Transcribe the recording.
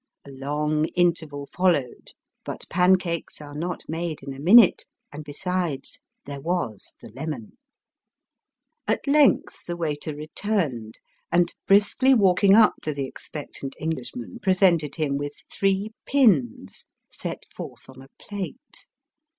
A long interval followed, hut pancakes are not made in a minute, and besides there was the lemon. At length the waiter returned, and briskly walk ing up to the expectant Englishman presented him with three pins set forth on a plate.